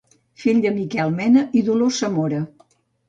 Fill de Miquel Mena i Dolors Zamora.